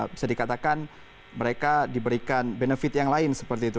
bisa dikatakan mereka diberikan benefit yang lain seperti itu